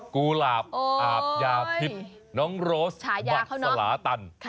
กุหลาบอาบยาพิษน้องโรสบัตรสลาตัน